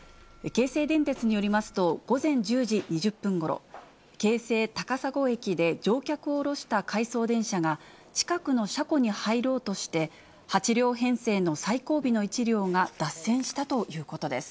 京成電鉄によりますと、午前１０時２０分ごろ、京成高砂駅で乗客を降ろした回送電車が、近くの車庫に入ろうとして、８両編成の最後尾の一部が脱線したということです。